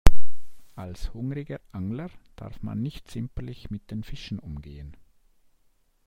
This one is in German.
Als hungriger Angler darf man nicht zimperlich mit den Fischen umgehen.